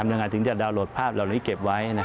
ทำอย่างไรจึงจะดาวน์โหลดภาพเหล่านี้เก็บไว้